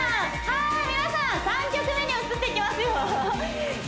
はーい皆さん３曲目に移っていきますよ